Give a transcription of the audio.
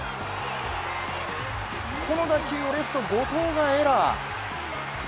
この打球はレフト後藤がエラー。